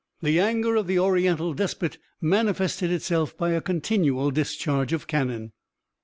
The anger of the Oriental despot manifested itself by a continual discharge of cannon.